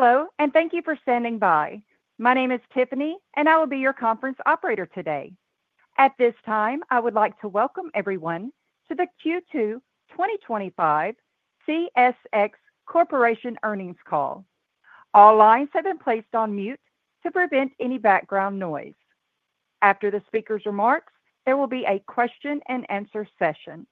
Hello, and thank you for standing by. My name is Tiffany, and I will be your conference operator today. At this time, I would like to welcome everyone to the Q2 2025 CSX Corporation Earnings Call. All lines have been placed on mute to prevent any background noise. After the speaker's remarks, there will be a question-and-answer session.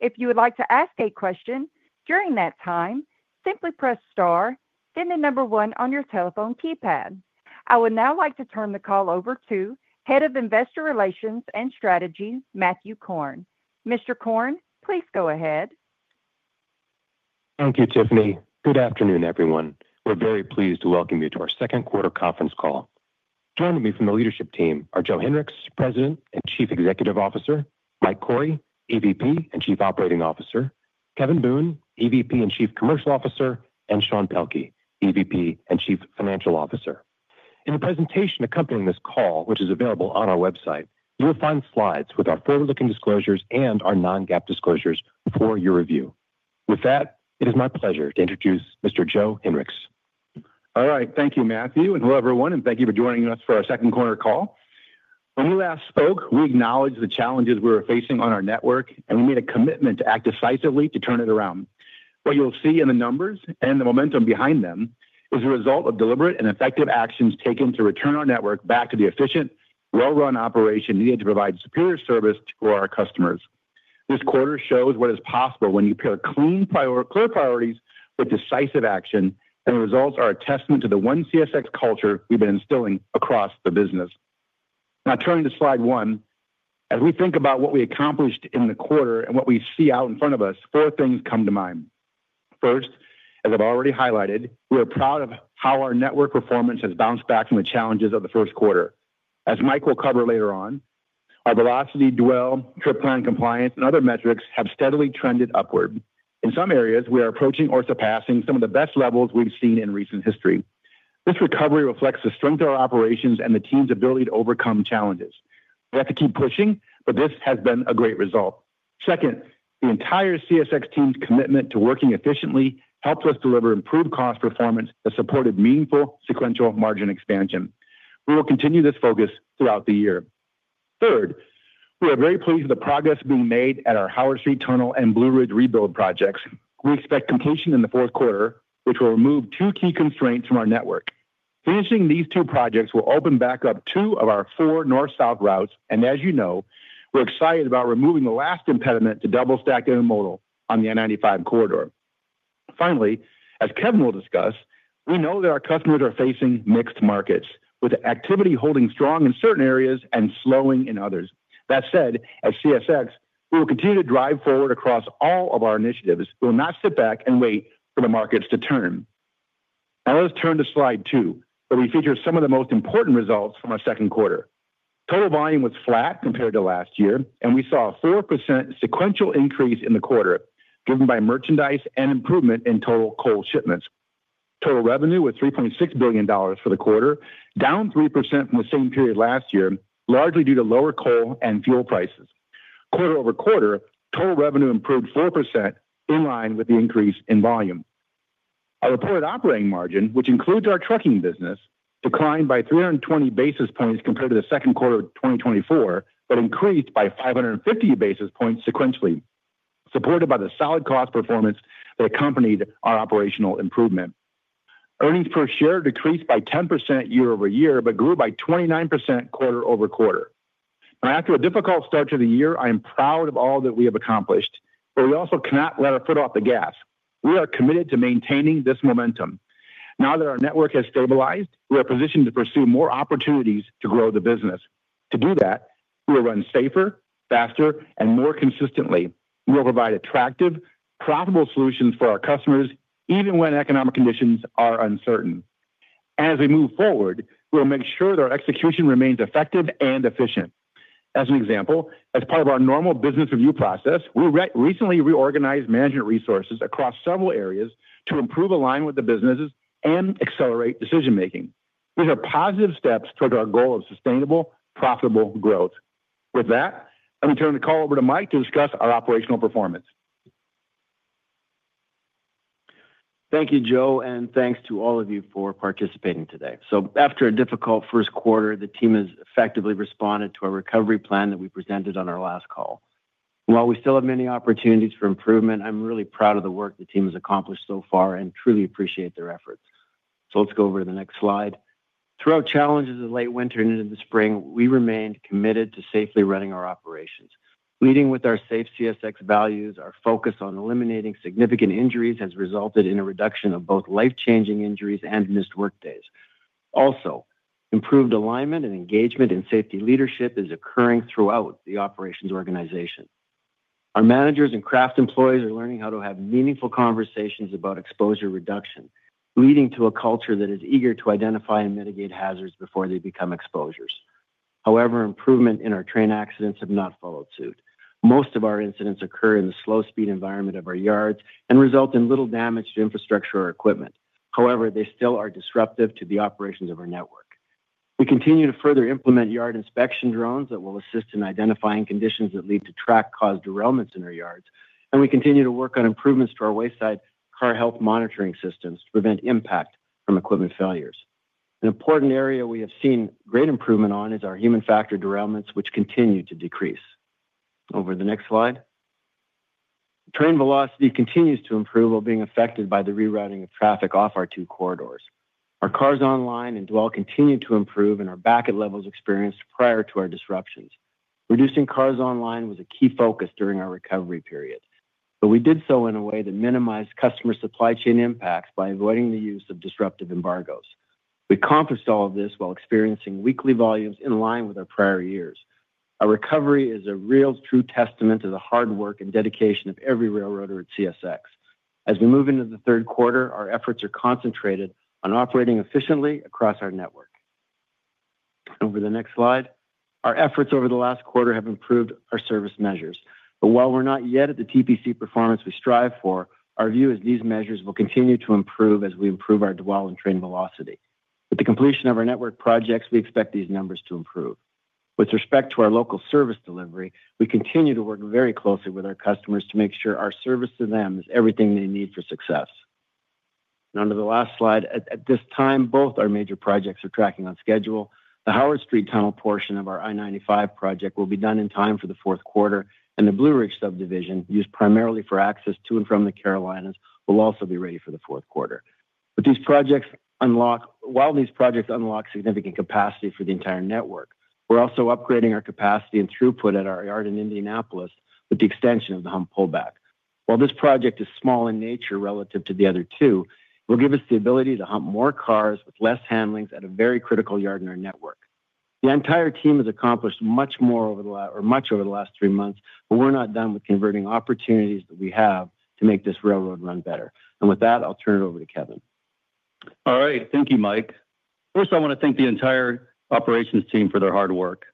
If you would like to ask a question during that time, simply press star, then the number one on your telephone keypad. I would now like to turn the call over to Head of Investor Relations and Strategy, Matthew Korn. Mr. Korn, please go ahead. Thank you, Tiffany. Good afternoon, everyone. We're very pleased to welcome you to our second quarter conference call. Joining me from the leadership team are Joe Hinrichs, President and Chief Executive Officer, Mike Cory, EVP and Chief Operating Officer, Kevin Boone, EVP and Chief Commercial Officer, and Sean Pelkey, EVP and Chief Financial Officer. In the presentation accompanying this call, which is available on our website, you will find slides with our forward-looking disclosures and our non-GAAP disclosures for your review. With that, it is my pleasure to introduce Mr. Joe Hinrichs. All right. Thank you, Matthew, and hello, everyone. Thank you for joining us for our second quarter call. When we last spoke, we acknowledged the challenges we were facing on our network, and we made a commitment to act decisively to turn it around. What you'll see in the numbers and the momentum behind them is the result of deliberate and effective actions taken to return our network back to the efficient, well-run operation needed to provide superior service to our customers. This quarter shows what is possible when you pair clear priorities with decisive action, and the results are a testament to the one CSX culture we've been instilling across the business. Now, turning to slide one, as we think about what we accomplished in the quarter and what we see out in front of us, four things come to mind. First, as I've already highlighted, we are proud of how our network performance has bounced back from the challenges of the first quarter. As Mike will cover later on, our velocity, dwell, trip plan compliance, and other metrics have steadily trended upward. In some areas, we are approaching or surpassing some of the best levels we've seen in recent history. This recovery reflects the strength of our operations and the team's ability to overcome challenges. We have to keep pushing, but this has been a great result. Second, the entire CSX team's commitment to working efficiently helped us deliver improved cost performance that supported meaningful sequential margin expansion. We will continue this focus throughout the year. Third, we are very pleased with the progress being made at our Howard Street Tunnel and Blue Ridge rebuild projects. We expect completion in the fourth quarter, which will remove two key constraints from our network. Finishing these two projects will open back up two of our four north-south routes. As you know, we're excited about removing the last impediment to double-stack intermodal on the N95 corridor. Finally, as Kevin will discuss, we know that our customers are facing mixed markets, with activity holding strong in certain areas and slowing in others. That said, at CSX, we will continue to drive forward across all of our initiatives. We will not sit back and wait for the markets to turn. Now, let's turn to slide two, where we feature some of the most important results from our second quarter. Total volume was flat compared to last year, and we saw a 4% sequential increase in the quarter, driven by merchandise and improvement in total coal shipments. Total revenue was $3.6 billion for the quarter, down 3% from the same period last year, largely due to lower coal and fuel prices. Quarter over quarter, total revenue improved 4%, in line with the increase in volume. Our reported operating margin, which includes our trucking business, declined by 320 basis points compared to the second quarter of 2024, but increased by 550 basis points sequentially, supported by the solid cost performance that accompanied our operational improvement. Earnings per share decreased by 10% year over year, but grew by 29% quarter over quarter. Now, after a difficult start to the year, I am proud of all that we have accomplished, but we also cannot let our foot off the gas. We are committed to maintaining this momentum. Now that our network has stabilized, we are positioned to pursue more opportunities to grow the business. To do that, we will run safer, faster, and more consistently. We will provide attractive, profitable solutions for our customers, even when economic conditions are uncertain. As we move forward, we will make sure that our execution remains effective and efficient. As an example, as part of our normal business review process, we recently reorganized management resources across several areas to improve alignment with the businesses and accelerate decision-making. These are positive steps toward our goal of sustainable, profitable growth. With that, let me turn the call over to Mike to discuss our operational performance. Thank you, Joe, and thanks to all of you for participating today. After a difficult first quarter, the team has effectively responded to our recovery plan that we presented on our last call. While we still have many opportunities for improvement, I'm really proud of the work the team has accomplished so far and truly appreciate their efforts. Let's go over to the next slide. Through our challenges of late winter and into the spring, we remained committed to safely running our operations. Leading with our safe CSX values, our focus on eliminating significant injuries has resulted in a reduction of both life-changing injuries and missed workdays. Also, improved alignment and engagement in safety leadership is occurring throughout the operations organization. Our managers and craft employees are learning how to have meaningful conversations about exposure reduction, leading to a culture that is eager to identify and mitigate hazards before they become exposures. However, improvements in our train accidents have not followed suit. Most of our incidents occur in the slow-speed environment of our yards and result in little damage to infrastructure or equipment. However, they still are disruptive to the operations of our network. We continue to further implement yard inspection drones that will assist in identifying conditions that lead to track-caused derailments in our yards, and we continue to work on improvements to our wayside car health monitoring systems to prevent impact from equipment failures. An important area we have seen great improvement on is our human factor derailments, which continue to decrease. Over to the next slide. Train velocity continues to improve while being affected by the rerouting of traffic off our two corridors. Our cars online and dwell continue to improve and are back at levels experienced prior to our disruptions. Reducing cars online was a key focus during our recovery period, but we did so in a way that minimized customer supply chain impacts by avoiding the use of disruptive embargoes. We accomplished all of this while experiencing weekly volumes in line with our prior years. Our recovery is a real true testament to the hard work and dedication of every railroader at CSX. As we move into the third quarter, our efforts are concentrated on operating efficiently across our network. Over to the next slide. Our efforts over the last quarter have improved our service measures. While we're not yet at the TPC performance we strive for, our view is these measures will continue to improve as we improve our dwell and train velocity. With the completion of our network projects, we expect these numbers to improve. With respect to our local service delivery, we continue to work very closely with our customers to make sure our service to them is everything they need for success. Now, to the last slide. At this time, both our major projects are tracking on schedule. The Howard Street Tunnel portion of our I-95 project will be done in time for the fourth quarter, and the Blue Ridge subdivision, used primarily for access to and from the Carolinas, will also be ready for the fourth quarter. While these projects unlock significant capacity for the entire network, we're also upgrading our capacity and throughput at our yard in Indianapolis with the extension of the hump pullback. While this project is small in nature relative to the other two, it will give us the ability to hump more cars with less handlings at a very critical yard in our network. The entire team has accomplished much more over the last three months, but we're not done with converting opportunities that we have to make this railroad run better. With that, I'll turn it over to Kevin. All right. Thank you, Mike. First, I want to thank the entire operations team for their hard work.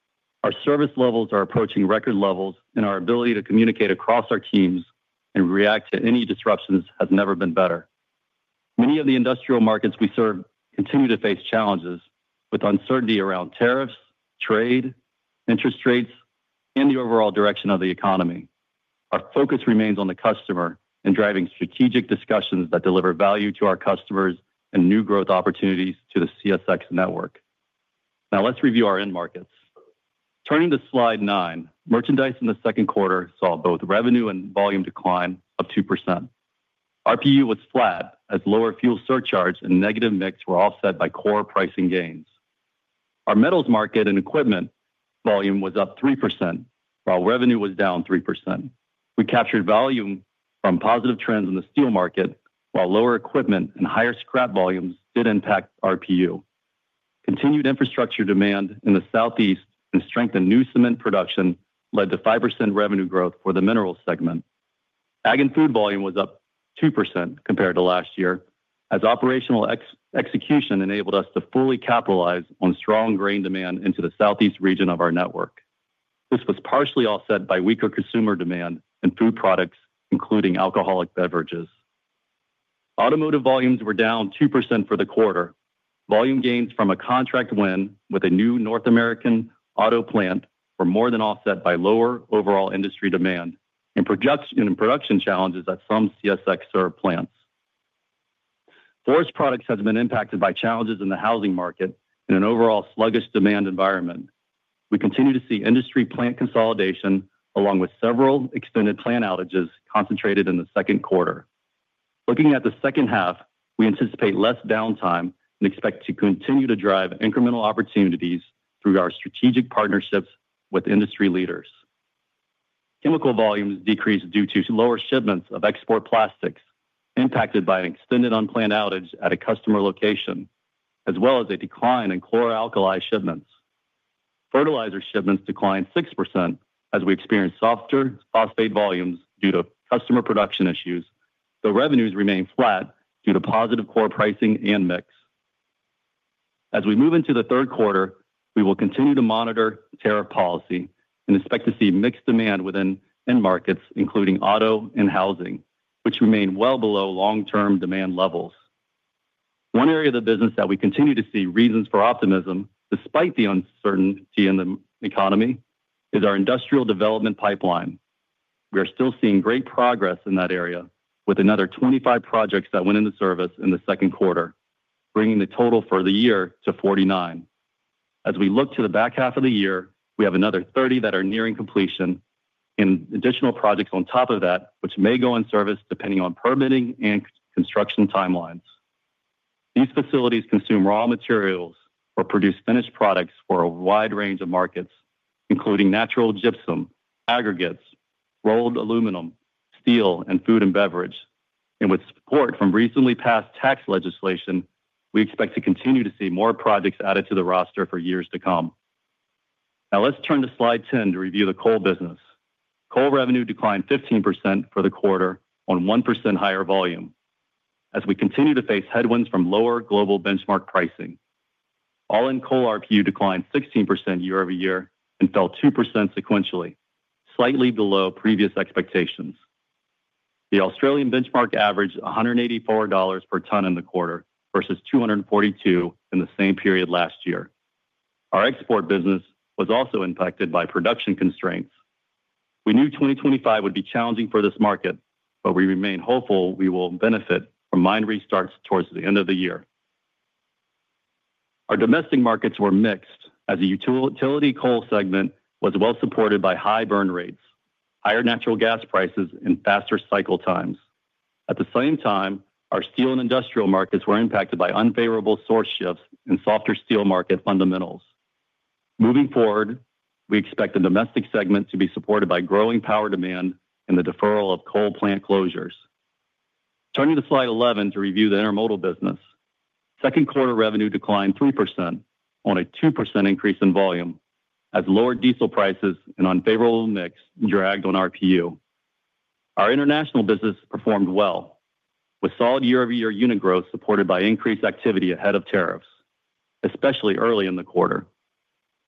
Our service levels are approaching record levels, and our ability to communicate across our teams and react to any disruptions has never been better. Many of the industrial markets we serve continue to face challenges with uncertainty around tariffs, trade, interest rates, and the overall direction of the economy. Our focus remains on the customer and driving strategic discussions that deliver value to our customers and new growth opportunities to the CSX network. Now, let's review our end markets. Turning to slide nine, merchandise in the second quarter saw both revenue and volume decline of 2%. RPU was flat as lower fuel surcharges and negative mix were offset by core pricing gains. Our metals market and equipment volume was up 3%, while revenue was down 3%. We captured volume from positive trends in the steel market, while lower equipment and higher scrap volumes did impact RPU. Continued infrastructure demand in the southeast and strengthened new cement production led to 5% revenue growth for the mineral segment. Ag and food volume was up 2% compared to last year as operational execution enabled us to fully capitalize on strong grain demand into the southeast region of our network. This was partially offset by weaker consumer demand and food products, including alcoholic beverages. Automotive volumes were down 2% for the quarter. Volume gains from a contract win with a new North American auto plant were more than offset by lower overall industry demand and production challenges at some CSX served plants. Forest products have been impacted by challenges in the housing market and an overall sluggish demand environment. We continue to see industry plant consolidation along with several extended plant outages concentrated in the second quarter. Looking at the second half, we anticipate less downtime and expect to continue to drive incremental opportunities through our strategic partnerships with industry leaders. Chemical volumes decreased due to lower shipments of export plastics impacted by an extended unplanned outage at a customer location, as well as a decline in chloroalkali shipments. Fertilizer shipments declined 6% as we experienced softer phosphate volumes due to customer production issues, though revenues remained flat due to positive core pricing and mix. As we move into the third quarter, we will continue to monitor tariff policy and expect to see mixed demand within end markets, including auto and housing, which remain well below long-term demand levels. One area of the business that we continue to see reasons for optimism, despite the uncertainty in the economy, is our industrial development pipeline. We are still seeing great progress in that area, with another 25 projects that went into service in the second quarter, bringing the total for the year to 49. As we look to the back half of the year, we have another 30 that are nearing completion and additional projects on top of that, which may go in service depending on permitting and construction timelines. These facilities consume raw materials or produce finished products for a wide range of markets, including natural gypsum, aggregates, rolled aluminum, steel, and food and beverage. With support from recently passed tax legislation, we expect to continue to see more projects added to the roster for years to come. Now, let's turn to slide 10 to review the coal business. Coal revenue declined 15% for the quarter on 1% higher volume as we continue to face headwinds from lower global benchmark pricing. All in coal RPU declined 16% year over year and fell 2% sequentially, slightly below previous expectations. The Australian benchmark averaged $184 per ton in the quarter versus $242 in the same period last year. Our export business was also impacted by production constraints. We knew 2025 would be challenging for this market, but we remain hopeful we will benefit from mine restarts towards the end of the year. Our domestic markets were mixed as the utility coal segment was well supported by high burn rates, higher natural gas prices, and faster cycle times. At the same time, our steel and industrial markets were impacted by unfavorable source shifts and softer steel market fundamentals. Moving forward, we expect the domestic segment to be supported by growing power demand and the deferral of coal plant closures. Turning to slide 11 to review the intermodal business. Second quarter revenue declined 3% on a 2% increase in volume as lower diesel prices and unfavorable mix dragged on RPU. Our international business performed well, with solid year-over-year unit growth supported by increased activity ahead of tariffs, especially early in the quarter.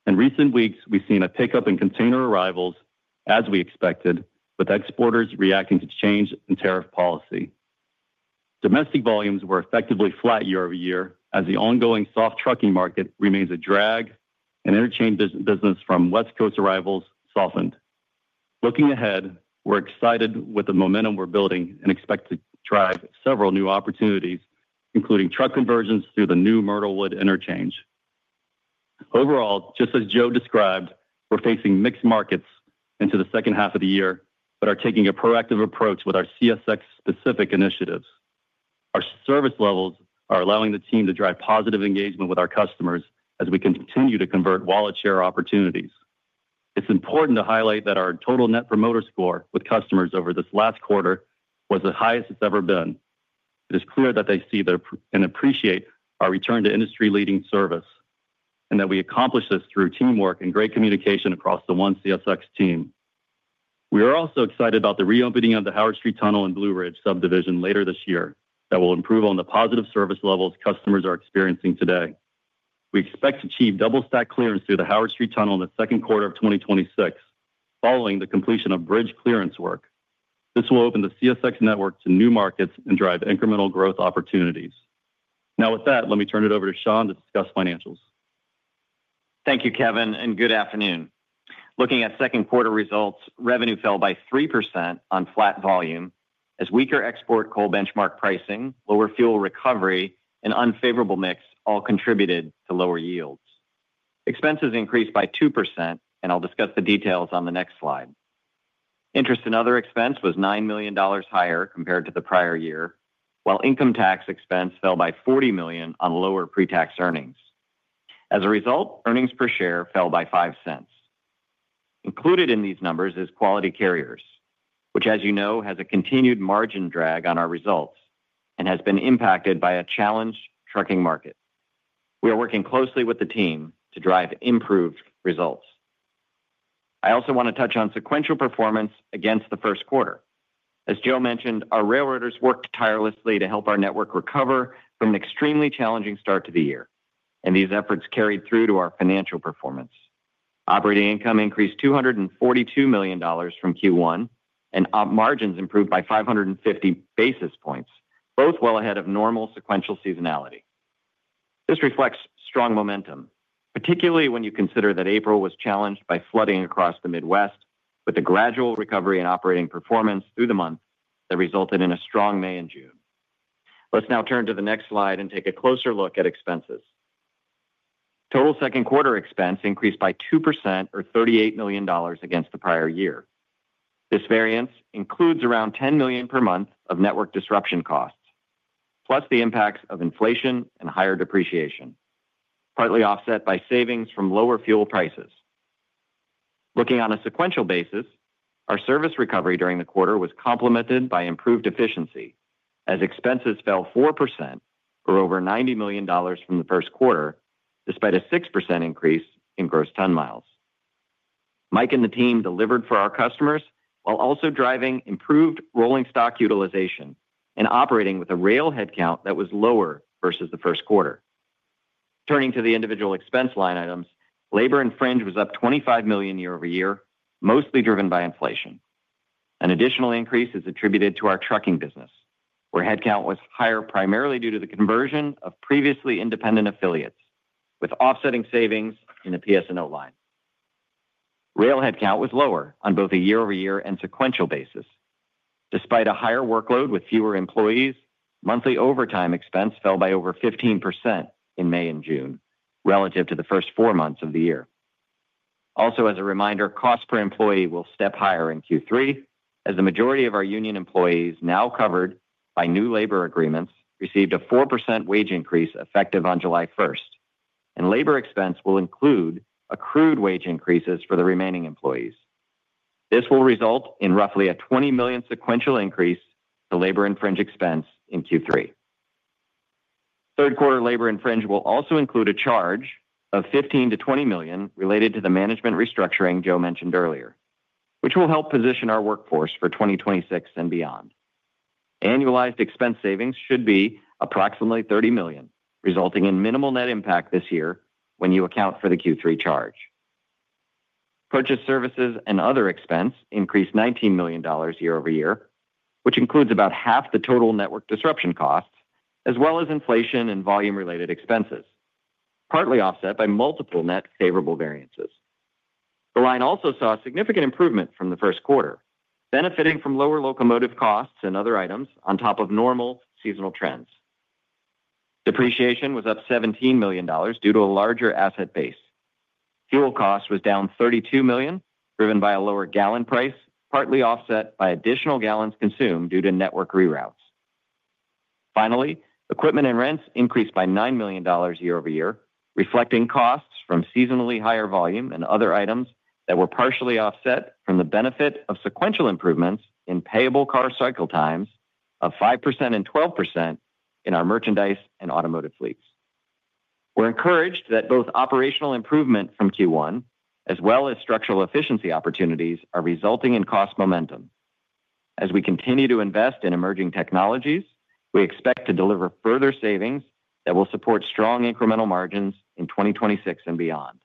In recent weeks, we've seen a pickup in container arrivals, as we expected, with exporters reacting to change in tariff policy. Domestic volumes were effectively flat year over year as the ongoing soft trucking market remains a drag, and interchange business from West Coast arrivals softened. Looking ahead, we're excited with the momentum we're building and expect to drive several new opportunities, including truck conversions through the new Myrtlewood interchange. Overall, just as Joe described, we're facing mixed markets into the second half of the year but are taking a proactive approach with our CSX-specific initiatives. Our service levels are allowing the team to drive positive engagement with our customers as we continue to convert wallet share opportunities. It's important to highlight that our total net promoter score with customers over this last quarter was the highest it's ever been. It is clear that they see and appreciate our return to industry-leading service and that we accomplish this through teamwork and great communication across the one CSX team. We are also excited about the reopening of the Howard Street Tunnel and Blue Ridge subdivision later this year that will improve on the positive service levels customers are experiencing today. We expect to achieve double-stack clearance through the Howard Street Tunnel in the second quarter of 2026, following the completion of bridge clearance work. This will open the CSX network to new markets and drive incremental growth opportunities. Now, with that, let me turn it over to Sean to discuss financials. Thank you, Kevin, and good afternoon. Looking at second quarter results, revenue fell by 3% on flat volume as weaker export coal benchmark pricing, lower fuel recovery, and unfavorable mix all contributed to lower yields. Expenses increased by 2%, and I'll discuss the details on the next slide. Interest and other expense was $9 million higher compared to the prior year, while income tax expense fell by $40 million on lower pre-tax earnings. As a result, earnings per share fell by $0.05. Included in these numbers is Quality Carriers, which, as you know, has a continued margin drag on our results and has been impacted by a challenged trucking market. We are working closely with the team to drive improved results. I also want to touch on sequential performance against the first quarter. As Joe mentioned, our railroaders worked tirelessly to help our network recover from an extremely challenging start to the year, and these efforts carried through to our financial performance. Operating income increased $242 million from Q1, and margins improved by 550 basis points, both well ahead of normal sequential seasonality. This reflects strong momentum, particularly when you consider that April was challenged by flooding across the Midwest, with the gradual recovery in operating performance through the month that resulted in a strong May and June. Let's now turn to the next slide and take a closer look at expenses. Total second quarter expense increased by 2%, or $38 million against the prior year. This variance includes around $10 million per month of network disruption costs, plus the impacts of inflation and higher depreciation, partly offset by savings from lower fuel prices. Looking on a sequential basis, our service recovery during the quarter was complemented by improved efficiency as expenses fell 4%, or over $90 million from the first quarter, despite a 6% increase in gross ton miles. Mike and the team delivered for our customers while also driving improved rolling stock utilization and operating with a rail headcount that was lower versus the first quarter. Turning to the individual expense line items, labor and fringe was up $25 million year over year, mostly driven by inflation. An additional increase is attributed to our trucking business, where headcount was higher primarily due to the conversion of previously independent affiliates, with offsetting savings in the PS&O line. Rail headcount was lower on both a year-over-year and sequential basis. Despite a higher workload with fewer employees, monthly overtime expense fell by over 15% in May and June relative to the first four months of the year. Also, as a reminder, cost per employee will step higher in Q3 as the majority of our union employees now covered by new labor agreements received a 4% wage increase effective on July 1. Labor expense will include accrued wage increases for the remaining employees. This will result in roughly a $20 million sequential increase to labor and fringe expense in Q3. Third quarter labor infringe will also include a charge of $15-$20 million related to the management restructuring Joe mentioned earlier, which will help position our workforce for 2026 and beyond. Annualized expense savings should be approximately $30 million, resulting in minimal net impact this year when you account for the Q3 charge. Purchase services and other expense increased $19 million year over year, which includes about half the total network disruption costs, as well as inflation and volume-related expenses, partly offset by multiple net favorable variances. The line also saw significant improvement from the first quarter, benefiting from lower locomotive costs and other items on top of normal seasonal trends. Depreciation was up $17 million due to a larger asset base. Fuel cost was down $32 million, driven by a lower gallon price, partly offset by additional gallons consumed due to network reroutes. Finally, equipment and rents increased by $9 million year over year, reflecting costs from seasonally higher volume and other items that were partially offset from the benefit of sequential improvements in payable car cycle times of 5% and 12% in our merchandise and automotive fleets. We're encouraged that both operational improvement from Q1, as well as structural efficiency opportunities, are resulting in cost momentum. As we continue to invest in emerging technologies, we expect to deliver further savings that will support strong incremental margins in 2026 and beyond.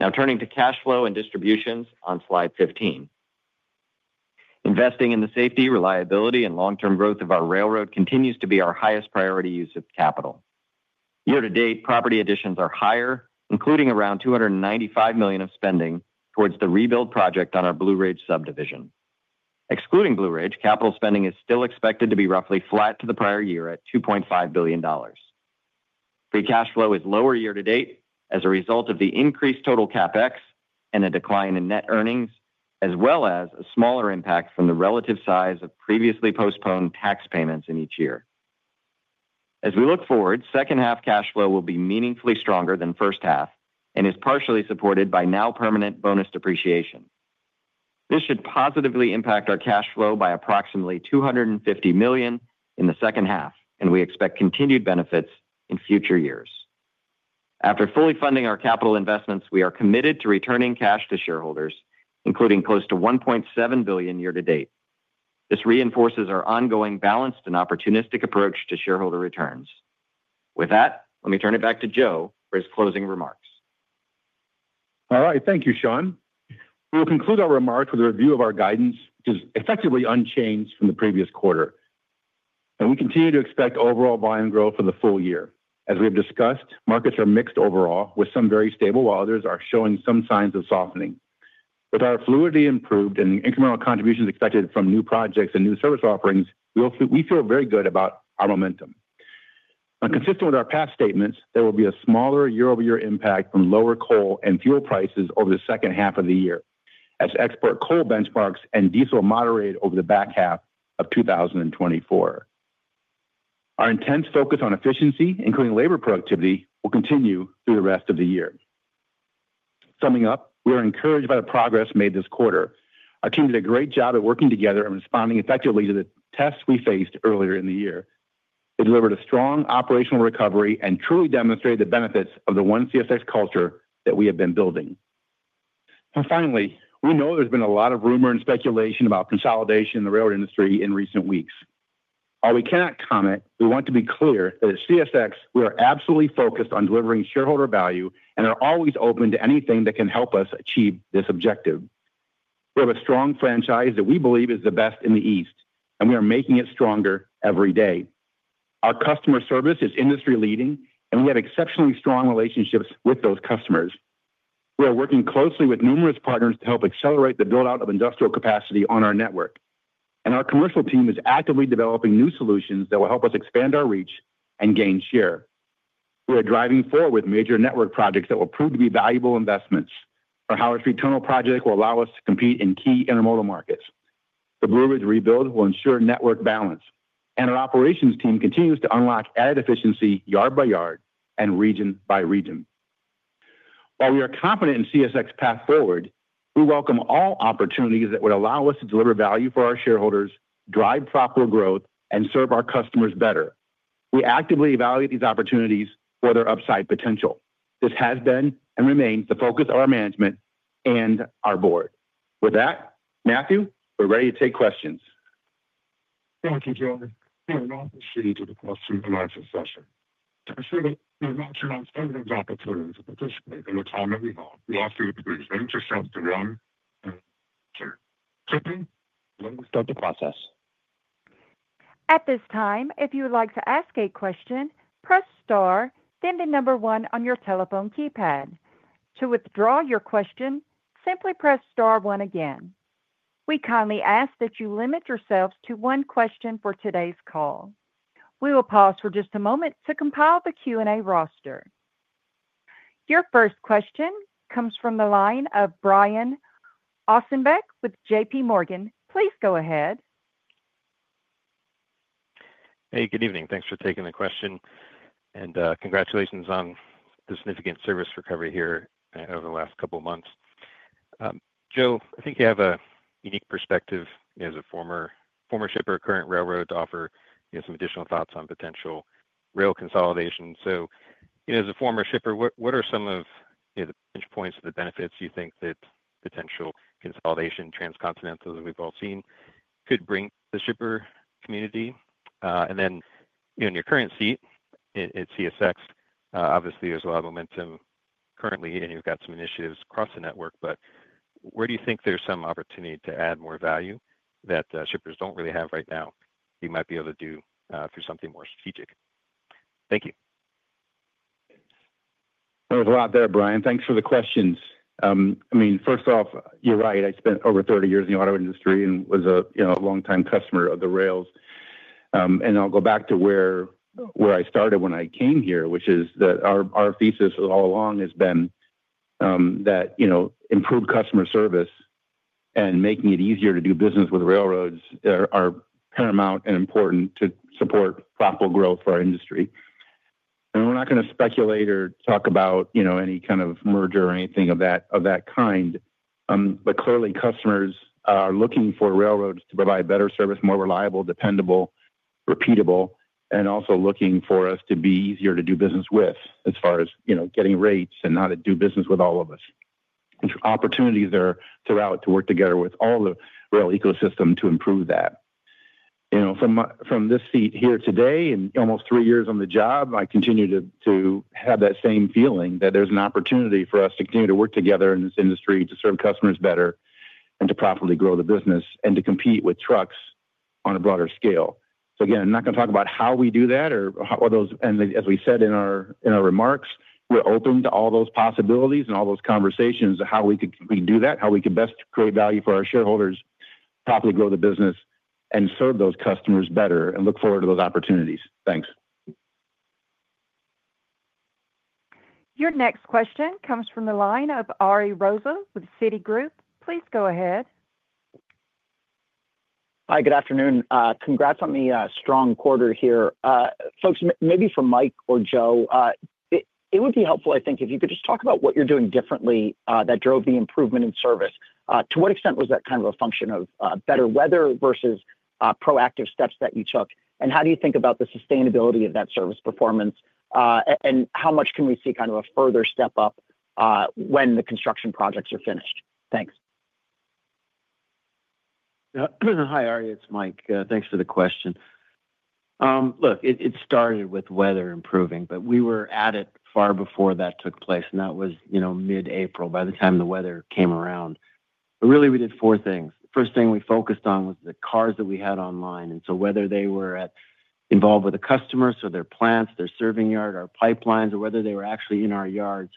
Now, turning to cash flow and distributions on slide 15. Investing in the safety, reliability, and long-term growth of our railroad continues to be our highest priority use of capital. Year-to-date, property additions are higher, including around $295 million of spending towards the rebuild project on our Blue Ridge subdivision. Excluding Blue Ridge, capital spending is still expected to be roughly flat to the prior year at $2.5 billion. Free cash flow is lower year-to-date as a result of the increased total CapEx and a decline in net earnings, as well as a smaller impact from the relative size of previously postponed tax payments in each year. As we look forward, second-half cash flow will be meaningfully stronger than first half and is partially supported by now-permanent bonus depreciation. This should positively impact our cash flow by approximately $250 million in the second half, and we expect continued benefits in future years. After fully funding our capital investments, we are committed to returning cash to shareholders, including close to $1.7 billion year-to-date. This reinforces our ongoing balanced and opportunistic approach to shareholder returns. With that, let me turn it back to Joe for his closing remarks. All right. Thank you, Sean. We will conclude our remarks with a review of our guidance, which is effectively unchanged from the previous quarter. We continue to expect overall volume growth for the full year. As we have discussed, markets are mixed overall, with some very stable while others are showing some signs of softening. With our fluidity improved and incremental contributions expected from new projects and new service offerings, we feel very good about our momentum. Consistent with our past statements, there will be a smaller year-over-year impact from lower coal and fuel prices over the second half of the year, as export coal benchmarks and diesel moderate over the back half of 2024. Our intense focus on efficiency, including labor productivity, will continue through the rest of the year. Summing up, we are encouraged by the progress made this quarter. Our team did a great job at working together and responding effectively to the tests we faced earlier in the year. They delivered a strong operational recovery and truly demonstrated the benefits of the one CSX culture that we have been building. Finally, we know there has been a lot of rumor and speculation about consolidation in the railroad industry in recent weeks. While we cannot comment, we want to be clear that at CSX, we are absolutely focused on delivering shareholder value and are always open to anything that can help us achieve this objective. We have a strong franchise that we believe is the best in the East, and we are making it stronger every day. Our customer service is industry-leading, and we have exceptionally strong relationships with those customers. We are working closely with numerous partners to help accelerate the build-out of industrial capacity on our network. Our commercial team is actively developing new solutions that will help us expand our reach and gain share. We are driving forward with major network projects that will prove to be valuable investments. Our Howard Street Tunnel project will allow us to compete in key intermodal markets. The Blue Ridge rebuild will ensure network balance, and our operations team continues to unlock added efficiency yard by yard and region by region. While we are confident in CSX's path forward, we welcome all opportunities that would allow us to deliver value for our shareholders, drive proper growth, and serve our customers better. We actively evaluate these opportunities for their upside potential. This has been and remains the focus of our management and our board. With that, Matthew, we are ready to take questions. Thank you, Joe. We're now proceeding to the question and answer session. To ensure that you're not shown as opportunities to participate in the time that we have, we ask that you please mute yourself to the end. Let me start the process. At this time, if you would like to ask a question, press star, then the number one on your telephone keypad. To withdraw your question, simply press star one again. We kindly ask that you limit yourselves to one question for today's call. We will pause for just a moment to compile the Q&A roster. Your first question comes from the line of Brian Ossenbeck with JP Morgan. Please go ahead. Hey, good evening. Thanks for taking the question, and congratulations on the significant service recovery here over the last couple of months. Joe, I think you have a unique perspective as a former shipper or current railroad to offer some additional thoughts on potential rail consolidation. As a former shipper, what are some of the points, the benefits you think that potential consolidation, transcontinental that we have all seen, could bring to the shipper community? In your current seat at CSX, obviously, there is a lot of momentum currently, and you have got some initiatives across the network, but where do you think there is some opportunity to add more value that shippers do not really have right now that you might be able to do through something more strategic? Thank you. There's a lot there, Brian. Thanks for the questions. I mean, first off, you're right. I spent over 30 years in the auto industry and was a longtime customer of the rails. I'll go back to where I started when I came here, which is that our thesis all along has been that improved customer service and making it easier to do business with railroads are paramount and important to support proper growth for our industry. We're not going to speculate or talk about any kind of merger or anything of that kind. Clearly, customers are looking for railroads to provide better service, more reliable, dependable, repeatable, and also looking for us to be easier to do business with as far as getting rates and how to do business with all of us. Opportunities are throughout to work together with all the rail ecosystem to improve that. From this seat here today and almost three years on the job, I continue to have that same feeling that there's an opportunity for us to continue to work together in this industry to serve customers better and to properly grow the business and to compete with trucks on a broader scale. I'm not going to talk about how we do that or all those. As we said in our remarks, we're open to all those possibilities and all those conversations of how we can do that, how we can best create value for our shareholders, properly grow the business, and serve those customers better and look forward to those opportunities. Thanks. Your next question comes from the line of Ari Rosa with Citi Group. Please go ahead. Hi, good afternoon. Congrats on the strong quarter here. Folks, maybe for Mike or Joe, it would be helpful, I think, if you could just talk about what you're doing differently that drove the improvement in service. To what extent was that kind of a function of better weather versus proactive steps that you took? How do you think about the sustainability of that service performance? How much can we see kind of a further step up when the construction projects are finished? Thanks. Hi, Ari. It's Mike. Thanks for the question. Look, it started with weather improving, but we were at it far before that took place, and that was mid-April by the time the weather came around. Really, we did four things. The first thing we focused on was the cars that we had online. Whether they were involved with a customer, so their plants, their serving yard, our pipelines, or whether they were actually in our yards,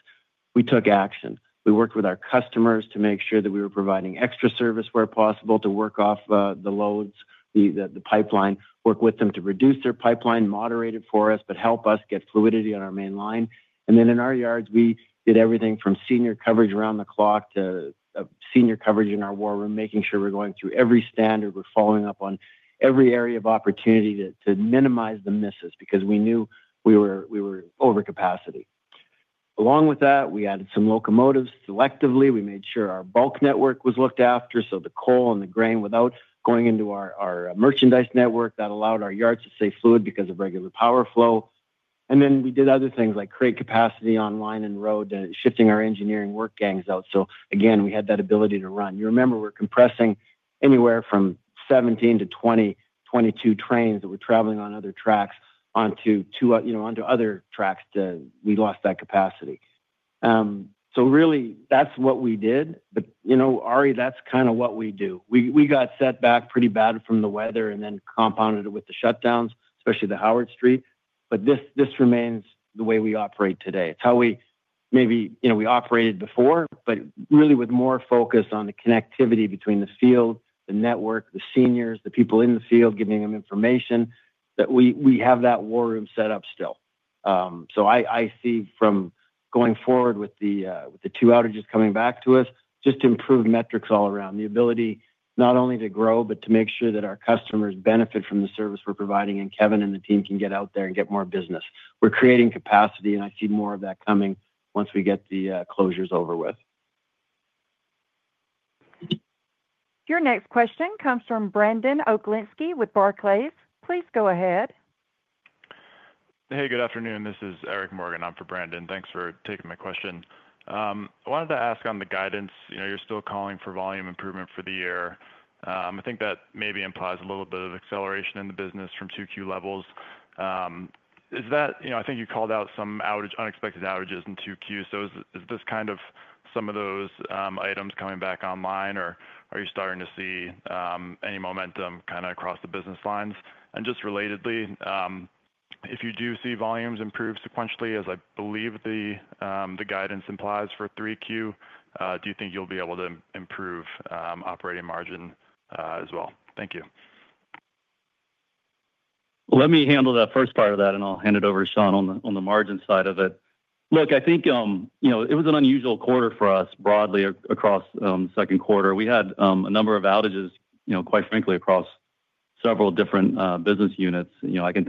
we took action. We worked with our customers to make sure that we were providing extra service where possible to work off the loads, the pipeline, work with them to reduce their pipeline, moderate it for us, but help us get fluidity on our main line. In our yards, we did everything from senior coverage around the clock to senior coverage in our war room, making sure we're going through every standard, we're following up on every area of opportunity to minimize the misses because we knew we were over capacity. Along with that, we added some locomotives selectively. We made sure our bulk network was looked after, so the coal and the grain without going into our merchandise network. That allowed our yards to stay fluid because of regular power flow. We did other things like create capacity online and road and shifting our engineering work gangs out. Again, we had that ability to run. You remember we're compressing anywhere from 17-20, 22 trains that were traveling on other tracks onto other tracks to we lost that capacity. Really, that's what we did. Ari, that's kind of what we do. We got set back pretty bad from the weather and then compounded it with the shutdowns, especially the Howard Street. This remains the way we operate today. It's how we maybe we operated before, but really with more focus on the connectivity between the field, the network, the seniors, the people in the field, giving them information that we have that war room set up still. I see from going forward with the two outages coming back to us, just to improve metrics all around, the ability not only to grow, but to make sure that our customers benefit from the service we're providing and Kevin and the team can get out there and get more business. We're creating capacity, and I see more of that coming once we get the closures over with. Your next question comes from Brandon Oaklinsky with Barclays. Please go ahead. Hey, good afternoon. This is Eric Morgan. I'm for Brandon. Thanks for taking my question. I wanted to ask on the guidance. You're still calling for volume improvement for the year. I think that maybe implies a little bit of acceleration in the business from 2Q levels. Is that, I think you called out some unexpected outages in 2Q. Is this kind of some of those items coming back online, or are you starting to see any momentum kind of across the business lines? Just relatedly, if you do see volumes improve sequentially, as I believe the guidance implies for 3Q, do you think you'll be able to improve operating margin as well? Thank you. Let me handle that first part of that, and I'll hand it over to Sean on the margin side of it. Look, I think it was an unusual quarter for us broadly across the second quarter. We had a number of outages, quite frankly, across several different business units. I can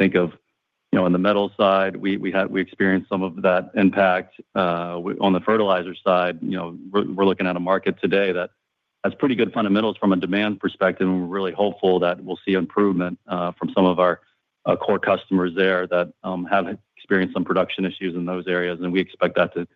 think of on the metal side, we experienced some of that impact. On the fertilizer side, we're looking at a market today that has pretty good fundamentals from a demand perspective, and we're really hopeful that we'll see improvement from some of our core customers there that have experienced some production issues in those areas. We expect that to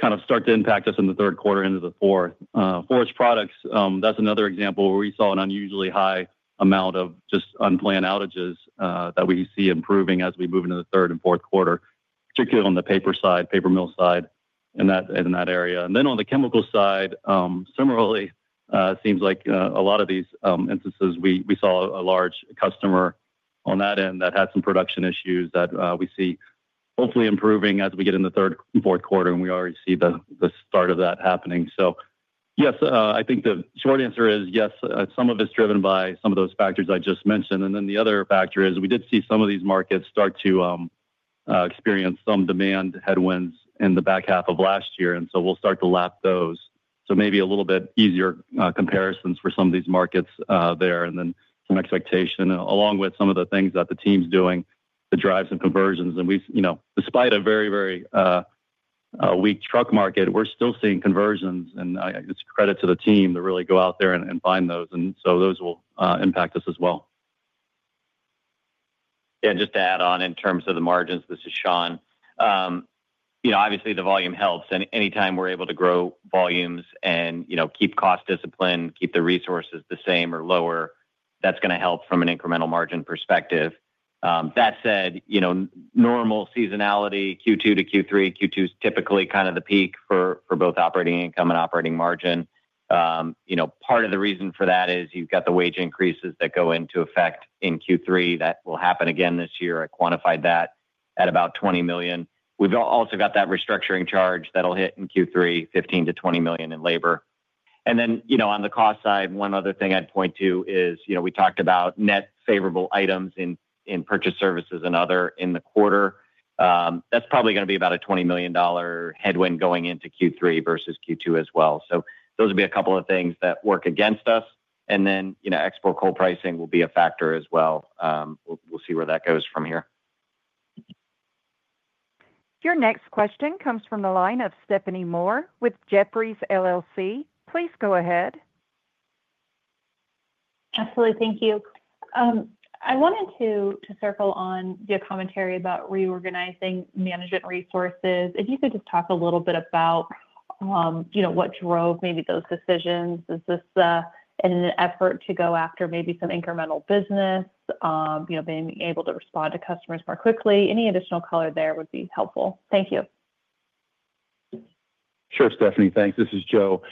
kind of start to impact us in the third quarter into the fourth. Forest products, that's another example where we saw an unusually high amount of just unplanned outages that we see improving as we move into the third and fourth quarter, particularly on the paper side, paper mill side, in that area. On the chemical side, similarly, it seems like a lot of these instances we saw a large customer on that end that had some production issues that we see hopefully improving as we get into the third and fourth quarter, and we already see the start of that happening. Yes, I think the short answer is yes, some of it's driven by some of those factors I just mentioned. The other factor is we did see some of these markets start to experience some demand headwinds in the back half of last year, and we'll start to lap those. Maybe a little bit easier comparisons for some of these markets there and then some expectation along with some of the things that the team's doing to drive some conversions. Despite a very, very weak truck market, we're still seeing conversions, and it's credit to the team to really go out there and find those. Those will impact us as well. Yeah, just to add on in terms of the margins, this is Sean. Obviously, the volume helps. And anytime we're able to grow volumes and keep cost discipline, keep the resources the same or lower, that's going to help from an incremental margin perspective. That said. Normal seasonality, Q2 to Q3, Q2 is typically kind of the peak for both operating income and operating margin. Part of the reason for that is you've got the wage increases that go into effect in Q3. That will happen again this year. I quantified that at about $20 million. We've also got that restructuring charge that'll hit in Q3, $15 million-$20 million in labor. And then on the cost side, one other thing I'd point to is we talked about net favorable items in purchase services and other in the quarter. That's probably going to be about a $20 million headwind going into Q3 versus Q2 as well. So those would be a couple of things that work against us. And then export coal pricing will be a factor as well. We'll see where that goes from here. Your next question comes from the line of Stephanie Moore with Jefferies. Please go ahead. Absolutely. Thank you. I wanted to circle on your commentary about reorganizing management resources. If you could just talk a little bit about what drove maybe those decisions. Is this an effort to go after maybe some incremental business, being able to respond to customers more quickly? Any additional color there would be helpful. Thank you. Sure, Stephanie. Thanks. This is Joe.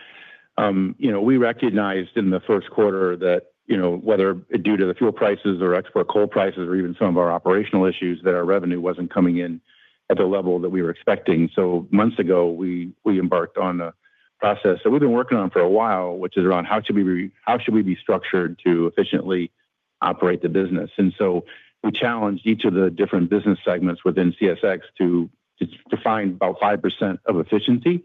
We recognized in the first quarter that whether due to the fuel prices or export coal prices or even some of our operational issues, that our revenue was not coming in at the level that we were expecting. Months ago, we embarked on a process that we have been working on for a while, which is around how should we be structured to efficiently operate the business. We challenged each of the different business segments within CSX to define about 5% of efficiency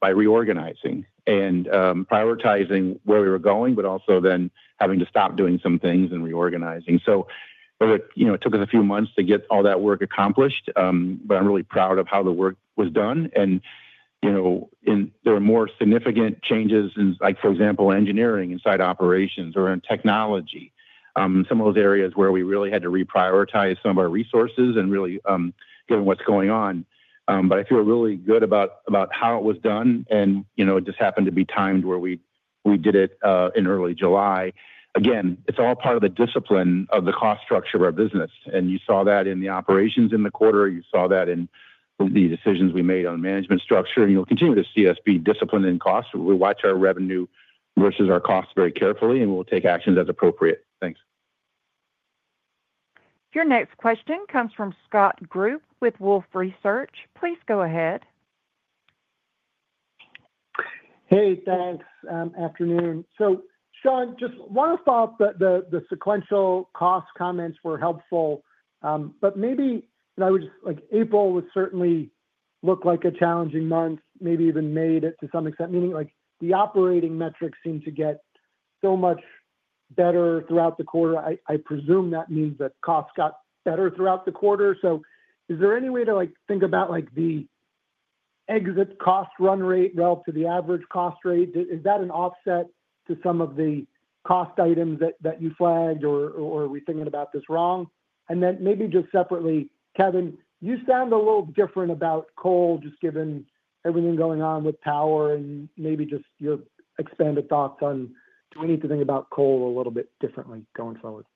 by reorganizing and prioritizing where we were going, but also then having to stop doing some things and reorganizing. It took us a few months to get all that work accomplished, but I am really proud of how the work was done. There were more significant changes, for example, engineering inside operations or in technology, some of those areas where we really had to reprioritize some of our resources given what is going on. I feel really good about how it was done, and it just happened to be timed where we did it in early July. Again, it is all part of the discipline of the cost structure of our business. You saw that in the operations in the quarter. You saw that in the decisions we made on management structure. You will continue to see us be disciplined in cost. We watch our revenue versus our costs very carefully, and we will take actions as appropriate. Thanks. Your next question comes from Scott Group with Wolfe Research. Please go ahead. Hey, thanks. Afternoon. Sean, just want to follow up. The sequential cost comments were helpful. Maybe I would just like, April would certainly look like a challenging month, maybe even May to some extent, meaning the operating metrics seem to get so much better throughout the quarter. I presume that means that costs got better throughout the quarter. Is there any way to think about the exit cost run rate relative to the average cost rate? Is that an offset to some of the cost items that you flagged, or are we thinking about this wrong? Maybe just separately, Kevin, you sound a little different about coal, just given everything going on with power and maybe just your expanded thoughts on do we need to think about coal a little bit differently going forward?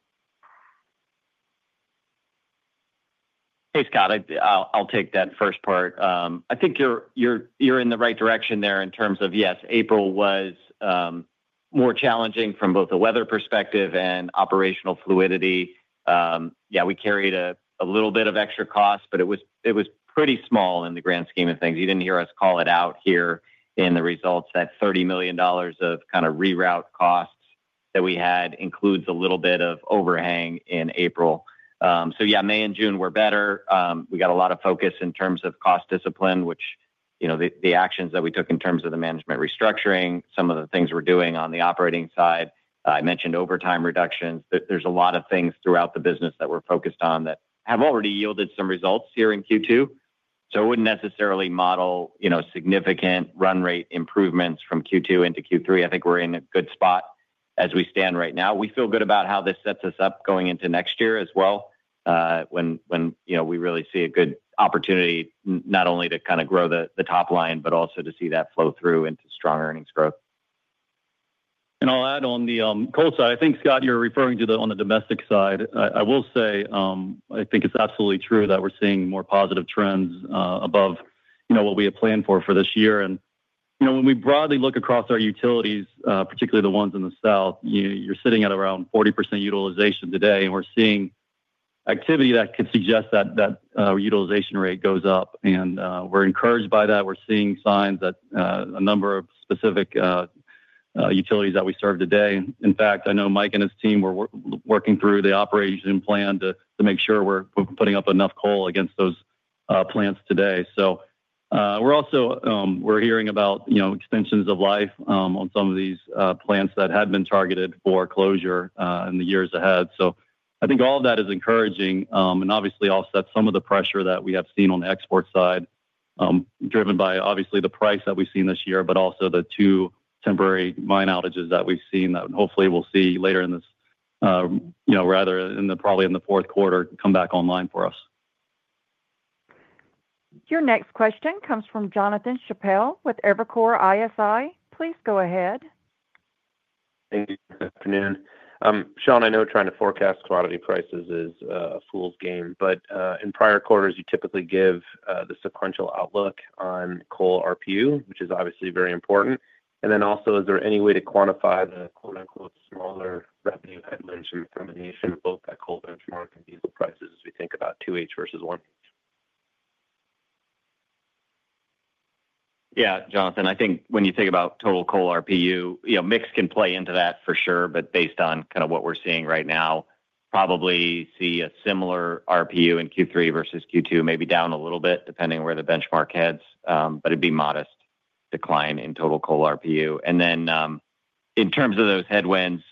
Hey, Scott, I'll take that first part. I think you're in the right direction there in terms of, yes, April was more challenging from both the weather perspective and operational fluidity. Yeah, we carried a little bit of extra cost, but it was pretty small in the grand scheme of things. You did not hear us call it out here in the results. That $30 million of kind of reroute costs that we had includes a little bit of overhang in April. Yeah, May and June were better. We got a lot of focus in terms of cost discipline, which the actions that we took in terms of the management restructuring, some of the things we are doing on the operating side. I mentioned overtime reductions. There are a lot of things throughout the business that we are focused on that have already yielded some results here in Q2. It would not necessarily model significant run rate improvements from Q2 into Q3. I think we are in a good spot as we stand right now. We feel good about how this sets us up going into next year as well, when we really see a good opportunity not only to kind of grow the top line, but also to see that flow through into strong earnings growth. I'll add on the coal side. I think, Scott, you're referring to the on the domestic side. I will say I think it's absolutely true that we're seeing more positive trends above what we had planned for this year. When we broadly look across our utilities, particularly the ones in the South, you're sitting at around 40% utilization today. We're seeing activity that could suggest that our utilization rate goes up. We're encouraged by that. We're seeing signs that a number of specific utilities that we serve today—in fact, I know Mike and his team were working through the operation plan to make sure we're putting up enough coal against those plants today. We're also hearing about extensions of life on some of these plants that had been targeted for closure in the years ahead. I think all of that is encouraging and obviously offsets some of the pressure that we have seen on the export side, driven by the price that we've seen this year, but also the two temporary mine outages that we've seen that hopefully we'll see later in this, rather than probably in the fourth quarter, come back online for us. Your next question comes from Jonathan Chappelle with Evercore ISI. Please go ahead. Thank you. Good afternoon. Sean, I know trying to forecast commodity prices is a fool's game, but in prior quarters, you typically give the sequential outlook on coal RPU, which is obviously very important. Is there any way to quantify the smaller revenue headwinds from the combination of both that coal benchmark and diesel prices as we think about 2H versus 1H? Yeah, Jonathan, I think when you think about total coal RPU, mix can play into that for sure, but based on kind of what we're seeing right now, probably see a similar RPU in Q3 versus Q2, maybe down a little bit depending where the benchmark heads, but it'd be a modest decline in total coal RPU. In terms of those headwinds,